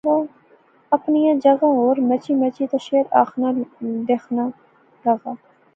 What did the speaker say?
اپنیاں جاغا ہور مچی مچی تے شعر آخنا لیخنا لغا